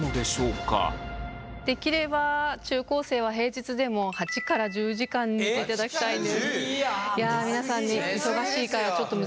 できれば中高生は平日でも８から１０時間寝ていただきたいんです。